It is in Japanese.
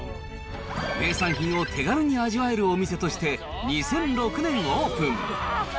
名産品を手軽に味わえるお店として、２００６年オープン。